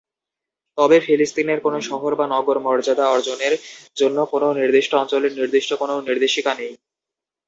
তবে ফিলিস্তিনের কোন শহর বা নগর মর্যাদা অর্জনের জন্য কোনও নির্দিষ্ট অঞ্চলের নির্দিষ্ট কোনও নির্দেশিকা নেই।